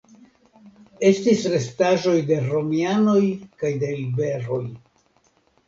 Estis restaĵoj de romianoj kaj de iberoj.